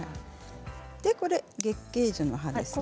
これは月桂樹の葉ですね。